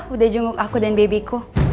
udah jenguk aku dan babyku